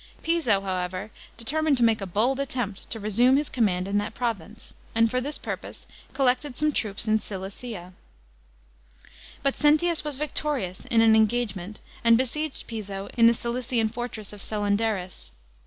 Piso however dete min d to make a bold r,(»tenipi lo ic umc his command in that province, and for tKiS purpose ooflcctci some troops in Cilicicv, But Sentius was victorious in. an coga;; :men', *n\ besieged Piso in tho Ciliciar fortress of Celeadoris.